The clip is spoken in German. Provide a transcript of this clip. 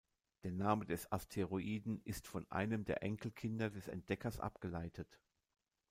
Der Name des Asteroiden ist von einem der Enkelkinder des Entdeckers abgeleitet.